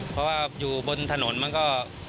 เพราะว่าอยู่บนถนนมันก็